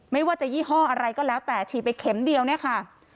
ไม่ว่าจะยี่ห้ออะไรก็แล้วแต่ฉีดไปเข็มเดียวเนี่ยค่ะ